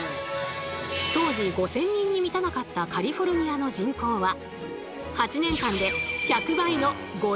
当時５，０００人に満たなかったカリフォルニアの人口は８年間で１００倍の５０万人にまで増加したんです！